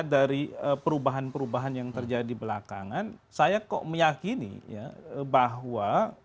kaitan antara prosesnya perubahan perubahan yang terjadi belakangan saya kok meyakini bahwa